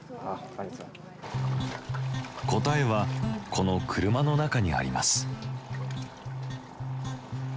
答えはこの車の中にあります。